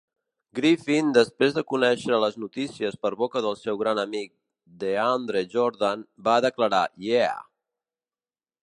Griffin, després de conèixer les notícies per boca del seu gran amic DeAndre Jordan, va declarar "Yeah!"